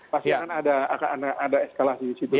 pasti akan ada eskalasi disitu